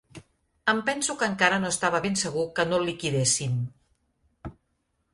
Em penso que encara no estava ben segur que no el liquidéssim